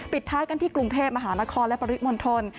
ปิดทะเลกันที่กรุงเทพฯมหานครและปริศมนตร